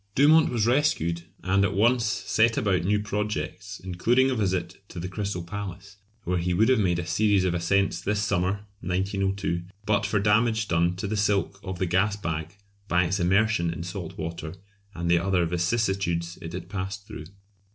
Dumont was rescued, and at once set about new projects, including a visit to the Crystal Palace, where he would have made a series of ascents this summer (1902) but for damage done to the silk of the gas bag by its immersion in salt water and the other vicissitudes it had passed through.